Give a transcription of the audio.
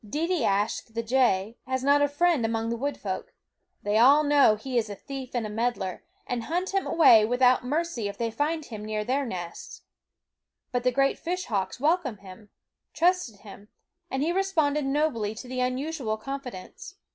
Deedee askh the jay has not a friend among the wood folk. They all know he is a thief and a meddler, and hunt him away without mercy if they find him near their nests. But the great fishhawks welcomed him, trusted him ; and he responded nobly to the unusual confidence.